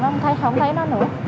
nó không thấy nó nữa